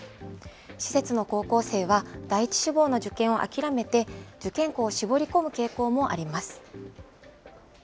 施設の高校生は、第１志望の受験を諦めて、受験校を絞り込む傾向もあります。